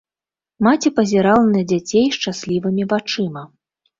Маці пазірала на дзяцей шчаслівымі вачыма.